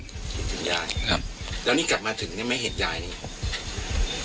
คิดถึงยายครับแล้วนี่กลับมาถึงได้ไหมเห็นยายนี่